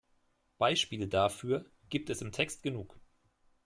Beispiele dafür gibt es im Text genug.